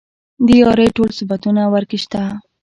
د يارۍ ټول صفتونه ورکې شته.